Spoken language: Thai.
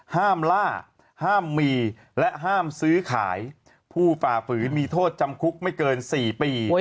ห้ามล่าห้ามมีและห้ามซื้อขายผู้ฝ่าฝืนมีโทษจำคุกไม่เกิน๔ปี